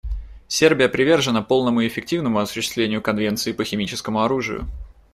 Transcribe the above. Сербия привержена полному и эффективному осуществлению Конвенции по химическому оружию.